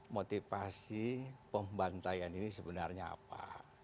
motivasi pembantaian ini sebenarnya apa